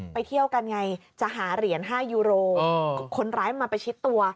เที่ยวกันไงจะหาเหรียญ๕ยูโรคนร้ายมาประชิดตัว